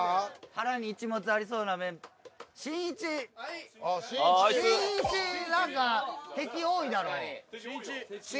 腹に一物ありそうなメンバーしんいちあっしんいちしんいち何か敵多いだろう